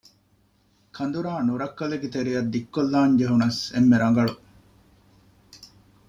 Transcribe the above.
ކަނދުރާ ނުރައްކަލެއްގެ ތެރެއަށް ދިއްކޮށްލާން ޖެހުނަސް އެންމެ ރަނގަޅު